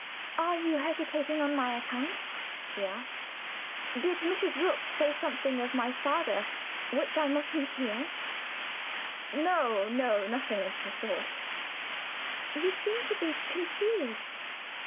"Are you hesitating on my account?" she asked. "Did Mrs. Rook say something of my father which I mustn't hear?" "No, no! nothing of the sort!" "You seem to be confused."